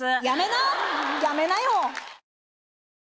やめなよ！